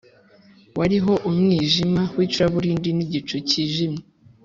wariho umwijima w’icuraburindi n’igicu cyijimye.